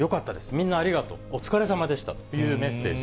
みんなありがとう、お疲れさまでしたというメッセージ。